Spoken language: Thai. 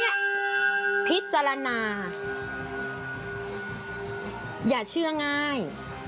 อย่าพิจารณาอย่าเชื่อง่าย